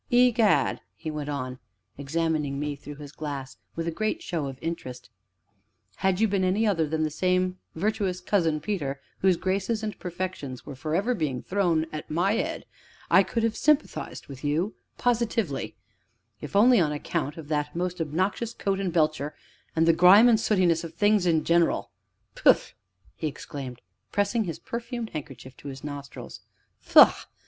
Egad!" he went on, examining me through his glass with a great show of interest, "had you been any other than that same virtuous Cousin Peter whose graces and perfections were forever being thrown at my head, I could have sympathized with you, positively if only on account of that most obnoxious coat and belcher, and the grime and sootiness of things in general. Poof!" he exclaimed, pressing his perfumed handkerchief to his nostrils, "faugh!